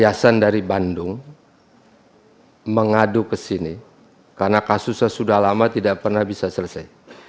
yasan dari bandung mengadu ke sini karena kasusnya sudah lama tidak pernah bisa selesai